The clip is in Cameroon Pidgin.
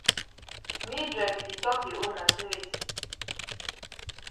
Mildred be di tok yi own na say weti?